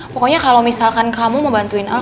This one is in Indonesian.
pokoknya kalau misalkan kamu mau bantuin aku